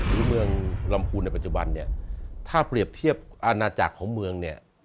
หรือเมืองลำพูนในปัจจุบันเนี่ยถ้าเปรียบเทียบอาณาจักรของเมืองเนี่ย